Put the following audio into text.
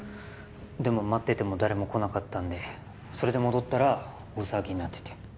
でも待ってても誰も来なかったんでそれで戻ったら大騒ぎになってて。